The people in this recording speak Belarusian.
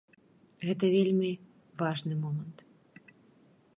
Гэта вельмі важны момант.